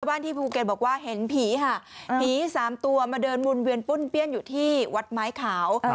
บ้านที่ภูเก็ตบอกว่าเห็นผีค่ะผีสามตัวมาเดินวนเวียนปุ้นเปี้ยนอยู่ที่วัดไม้ขาว